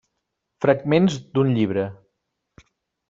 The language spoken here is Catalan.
Fragments d'un llibre.